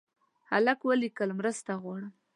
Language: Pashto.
هلک ولیکل مرسته غواړم.